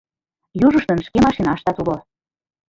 Южыштын шке машинаштат уло.